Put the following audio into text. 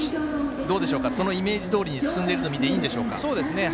どうでしょうかそのイメージどおりに進んでいると見ていいんでしょうか？